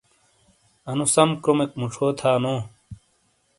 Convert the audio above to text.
انو سم کرومیک موشو تھانوں